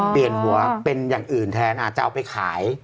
เปลี่ยนหัวเป็นอย่างอื่นแทนอาจจะเอาไปขาย